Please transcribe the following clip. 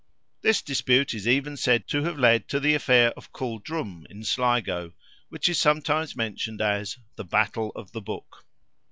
This dispute is even said to have led to the affair of Culdrum, in Sligo, which is sometimes mentioned as "the battle of the book."